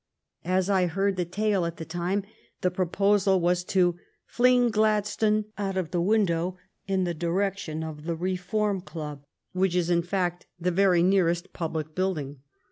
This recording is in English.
As I heard the tale at the time, the proposal was to "fling Gladstone out of the window in the direc tion of the Reform Club," which is, in fact, the very nearest public building.